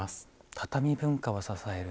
畳文化を支える。